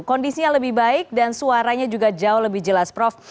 kondisinya lebih baik dan suaranya juga jauh lebih jelas prof